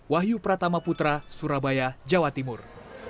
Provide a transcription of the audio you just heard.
wahyu pratama putra surabaya jawa timur